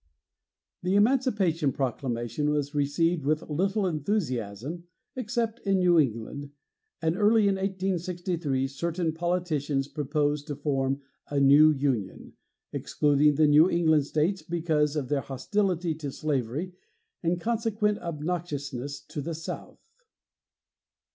The Emancipation Proclamation was received with little enthusiasm except in New England, and early in 1863 certain politicians proposed to form a new Union, excluding the New England states because of their hostility to slavery and consequent obnoxiousness to the South.